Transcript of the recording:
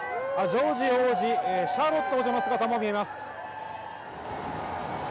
ジョージ王子シャーロット王女の姿も見えます。